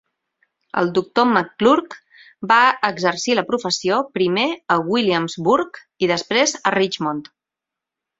El Dr. McClurg va exercir la professió primer a Williamsburg i després a Richmond.